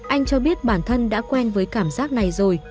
anh cho biết bản thân đã quen với cảm giác này rồi